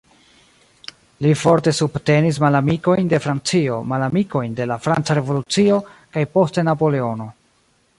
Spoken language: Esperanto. Li forte subtenis malamikojn de Francio, malamikojn de la franca revolucio kaj poste Napoleono.